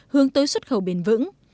hướng tới xuất khẩu bền vững